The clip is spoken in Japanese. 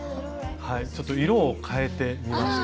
ちょっと色をかえてみました。